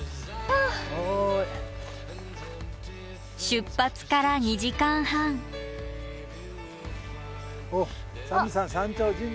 出発から２時間半おっ三瓶山山頂神社。